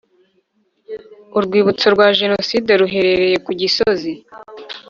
Urwibutso rwa genocide ruherereye kugisozi